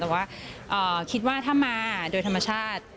แต่ว่าคิดว่าถ้ามาโดยธรรมชาติ